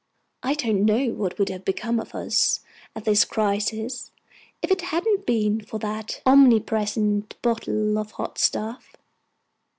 I don't know what would have become of us at this crisis, if it hadn't been for that omnipresent bottle of hot stuff.